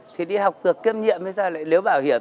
thì đi học dược kiêm nhiệm hay sao lại lấy bảo hiểm